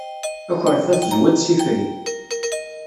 Akerfa tezwiḍ-t s ifri.